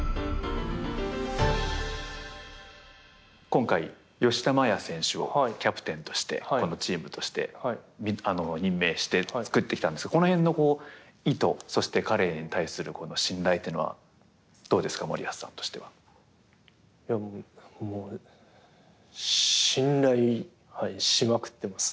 今回吉田麻也選手をキャプテンとしてこのチームとして任命して作ってきたんですがこの辺の意図そして彼に対する信頼っていうのはどうですか森保さんとしては。もう信頼しまくってます。